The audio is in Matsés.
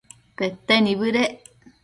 pete nibëdec